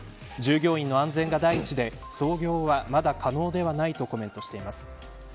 従業員の安全が第一で操業はまだ可能ではないとコメントしています。